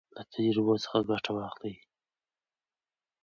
له تجربو څخه ګټه واخلئ.